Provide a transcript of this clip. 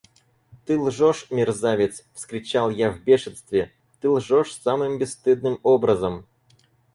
– Ты лжешь, мерзавец! – вскричал я в бешенстве, – ты лжешь самым бесстыдным образом.